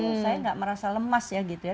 oh saya nggak merasa lemas ya gitu ya